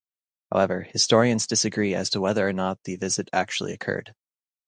However, historians disagree as to whether or not the visit actually occurred.